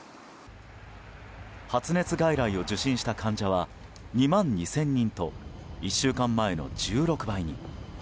発熱外来を受診した患者は２万２０００人と１週間前の１６倍に。